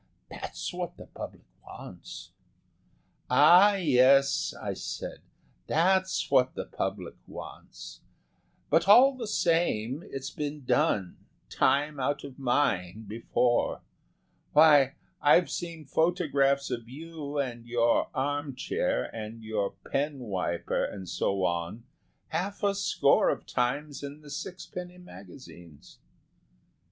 That's what the public wants." "Ah, yes," I said, "that's what the public wants. But all the same, it's been done time out of mind before. Why, I've seen photographs of you and your arm chair and your pen wiper and so on, half a score of times in the sixpenny magazines."